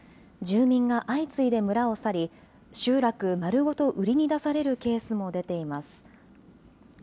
住民が相次いで村を去り、集落丸ごと売りに出されるケースも出ています。